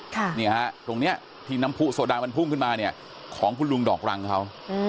ตรงนี้ที่น้ำผู้โซดามันพุ่งขึ้นมาเนี่ยของคุณลุงดอกรังเขา